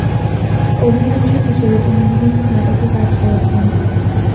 অভিনেত্রী হিসেবে তিনি বিভিন্ন নাটকে কাজ করেছেন।